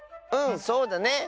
うんそうだね！